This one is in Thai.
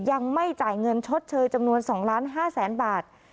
ยังไม่จ่ายเงินชดเชยจำนวน๒๕๐๐๐๐บาท